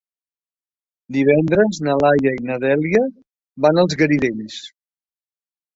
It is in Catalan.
Divendres na Laia i na Dèlia van als Garidells.